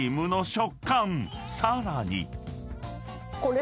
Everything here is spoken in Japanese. ［さらに］